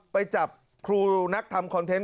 ไปจับครูนักทำคอนเทนต